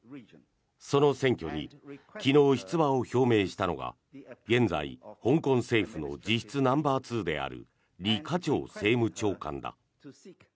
その選挙に昨日、出馬を表明したのが現在、香港政府の実質ナンバーツーであるリ・カチョウ政務長官だ。